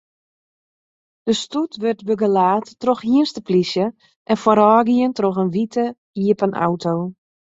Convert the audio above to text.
De stoet wurdt begelaat troch hynsteplysje en foarôfgien troch in wite iepen auto.